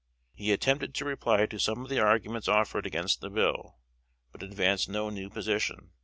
He attempted to reply to some of the arguments offered against the bill, but advanced no new position.